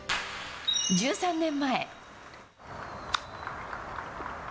１３年前。